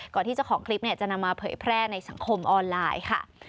ที่เจ้าของคลิปจะนำมาเผยแพร่ในสังคมออนไลน์ค่ะ